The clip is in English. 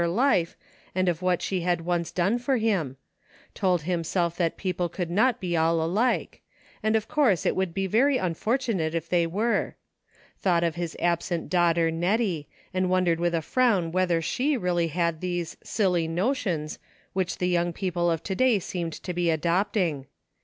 223 her life, *and of what she had once done for him ; told himself that people could not all be alike, and of course it would be very unfortunate if they were ; thought of his absent daughter Nettie, and wondered with a frown whether she really had these " silly notions " which the young people of to day seemed to be adopting.